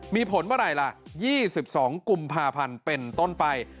มีผลเมื่อไหร่ล่ะ๒๒กุมภาพันธ์เป็นต้นไป